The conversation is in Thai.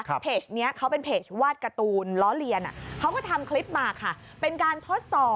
ก็จะไปแถวปิ่นกล้าวบางพัฒน์เห็นไหมคะ